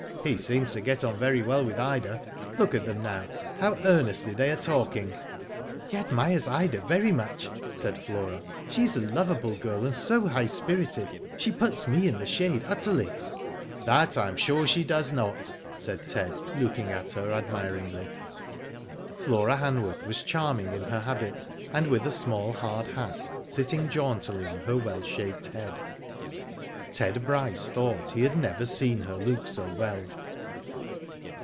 He seems to get on very well with Ida. Look at them now, how earnestly they are talking." "He admires Ida very much/' said Flora. *' She is a lovable girl and so high spirited. She puts me in the shade utterly." That I am sure she does not," said Ted, looking at her admiringly. Flora Hanworth was charming in her habit, and with a small hard hat sitting jauntily on her well shaped head. Ted Bryce thought he had never seen her look so well.